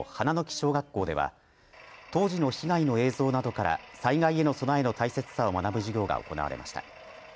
小学校では当時の被害の映像などから災害への備えの大切さを学ぶ授業が行われました。